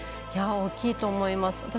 大きいと思います。